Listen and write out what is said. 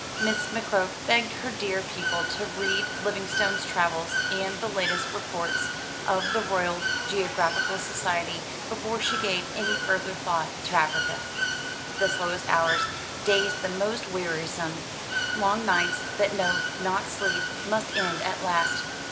Miss McCroke begged her dear pupil to read Livingstone's travels and the latest reports of the Royal Geographical Society, before she gave any further thought to Africa. The slowest hours, days the most wearisome, long nights that know not sleep, must end at last.